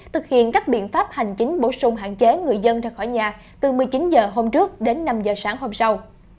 thực hiện các biện pháp hành chính bổ sung hạn chế người dân ra khỏi nhà từ một mươi chín h hôm trước đến năm h sáng hôm sau